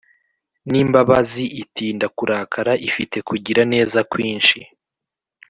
n imbabazi Itinda kurakara Ifite kugira neza kwinshi